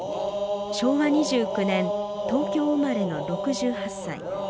昭和２９年、東京生まれの６８歳。